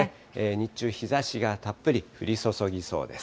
日中日ざしがたっぷり降り注ぎそうです。